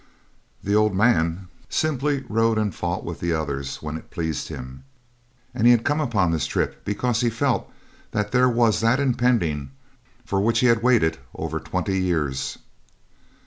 The old man simply rode and fought with the others when it pleased him; and he had come on this trip because he felt that there was that impending for which he had waited over twenty years.